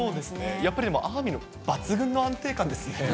やっぱりあーみんは抜群の安定感ですね。